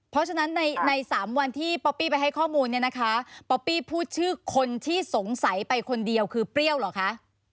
เพราะฉะนั้นใน๓วันที่ป๊อปปี้ไปให้ข้อมูลเนี่ยนะคะป๊อปปี้พูดชื่อคนที่สงสัยไปคนเดียวคือเปรี้ยวเหรอคะ